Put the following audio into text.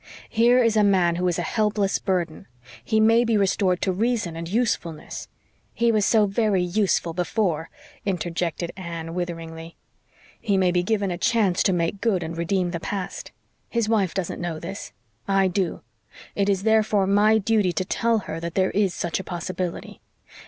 Here is a man who is a helpless burden. He may be restored to reason and usefulness " "He was so very useful before," interjected Anne witheringly. "He may be given a chance to make good and redeem the past. His wife doesn't know this. I do. It is therefore my duty to tell her that there is such a possibility.